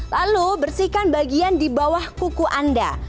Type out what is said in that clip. lalu bersihkan bagian di bawah kuku anda